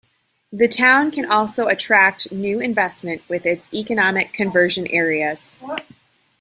The town can also attract new investment with its economic conversion areas.